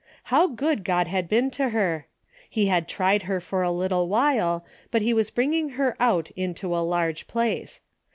How good God had been to her ! He had tried her for a little while, but he was bringing her out into a large place.